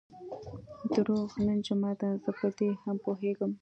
درواغ، نن جمعه ده، زه په دې هم پوهېږم.